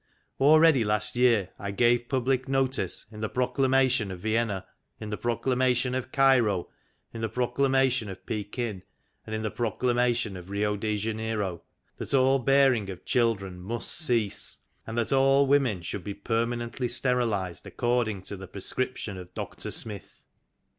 Already last year I gave public notice, in the proclamation of Vienna, in the proclamation of Cairo, in the proclamation of Pekin, and in the proclamation of Rio Janeiro, that all bearing of children must cease, and that all women should be permanently sterilized according to the prescription of Doctor Smith.